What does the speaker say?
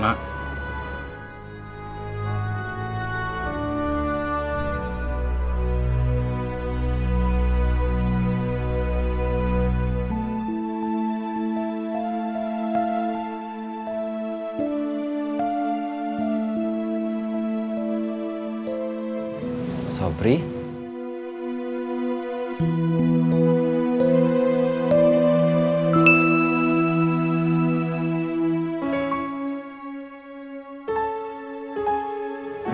aku sudah berhenti